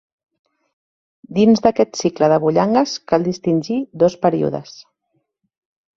Dins d'aquest cicle de Bullangues cal distingir dos períodes.